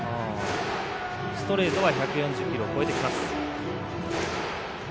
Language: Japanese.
ストレートは１４０キロを超えてきます。